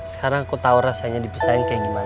sekarang aku tau rasanya dibesain kayak gimana